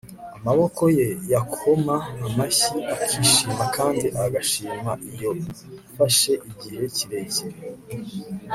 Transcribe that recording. amaboko ye yakoma amashyi akishima kandi agashima iyo mfashe igihe kirekire